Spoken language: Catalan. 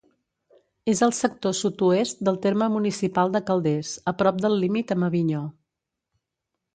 És al sector sud-oest del terme municipal de Calders, a prop del límit amb Avinyó.